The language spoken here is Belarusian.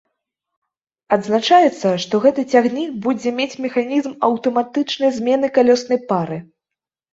Адзначаецца, што гэты цягнік будзе мець механізм аўтаматычнай змены калёснай пары.